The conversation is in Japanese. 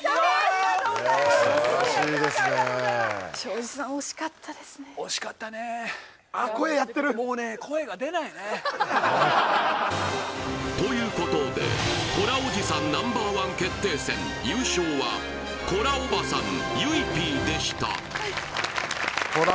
ありがとうございますありがとうございますということでコラおじさんＮｏ．１決定戦優勝はコラおばさんゆいＰでしたコラ